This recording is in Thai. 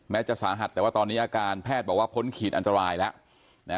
จะสาหัสแต่ว่าตอนนี้อาการแพทย์บอกว่าพ้นขีดอันตรายแล้ว